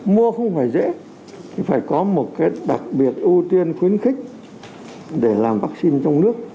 mua không phải dễ thì phải có một cái đặc biệt ưu tiên khuyến khích để làm vaccine trong nước